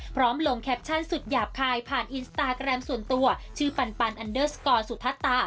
พร้อมลงแคปชั่นสุดหยาบคายผ่านอินสตาแกรมส่วนตัวชื่อปันปันอันเดอร์สกอร์สุทัศตา